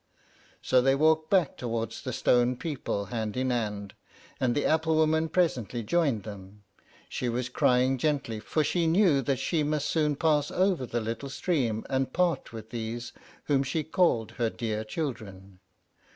So they walked back towards the stone people hand in hand, and the apple woman presently joined them. She was crying gently, for she knew that she must soon pass over the little stream, and part with these whom she called her dear children.